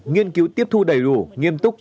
nghiên cứu tiếp thu đầy rủ nghiêm túc